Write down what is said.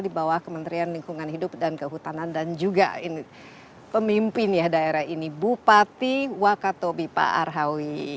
di bawah kementerian lingkungan hidup dan kehutanan dan juga pemimpin ya daerah ini bupati wakatobi pak arhawi